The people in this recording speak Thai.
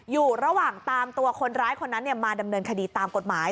อยู่ระหว่างตามตัวคนร้ายคนนั้นมาดำเนินคดีตามกฎหมาย